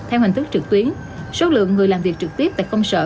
theo hình thức trực tuyến số lượng người làm việc trực tiếp tại công sở